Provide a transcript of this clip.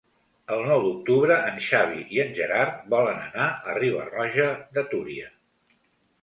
El nou d'octubre en Xavi i en Gerard volen anar a Riba-roja de Túria.